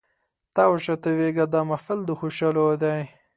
تاو شه تاویږه دا محفل د خوشحالو دی